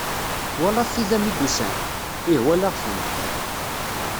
Twalaḍ tida mi d-usant? Ih walaɣ-tent.